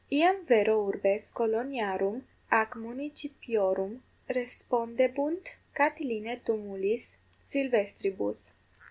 Iam vero urbes coloniarum ac municipiorum respondebunt Catilinae tumulis silvestribus.